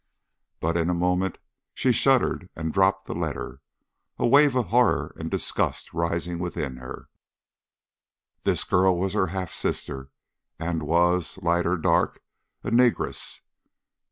But in a moment she shuddered and dropped the letter, a wave of horror and disgust rising within her. This girl was her half sister, and was, light or dark, a negress.